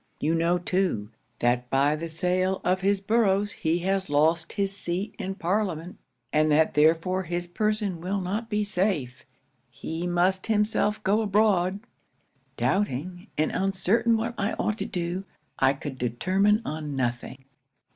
You know too, that by the sale of his boroughs he has lost his seat in parliament, and that therefore his person will not be safe. He must himself go abroad." 'Doubting, and uncertain what I ought to do, I could determine on nothing.